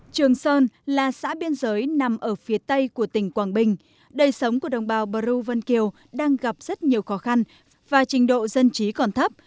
trường sơn là xã biên giới nằm ở phía tây của tỉnh quảng bình đời sống của đồng bào bờ rêu vân kiều đang gặp rất nhiều khó khăn và trình độ dân trí còn thấp